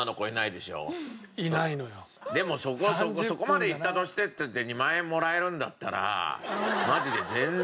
でもそこまで行ったとして２万円もらえるんだったらマジで全然。